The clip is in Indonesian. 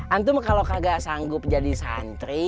antum kalau kagak sanggup jadi santri